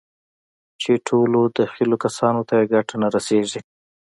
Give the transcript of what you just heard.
چې ټولو دخيلو کسانو ته يې ګټه نه رسېږي.